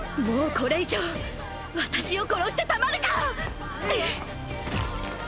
これ以上私を殺してたまるか！！